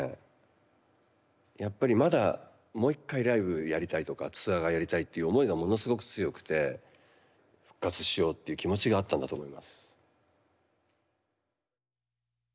やっぱりまだもう一回ライブやりたいとかツアーがやりたいっていう思いがものすごく強くて復活しようっていう気持ちがあったんだと思います。